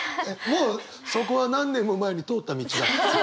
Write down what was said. もうそこは何年も前に通った道だ。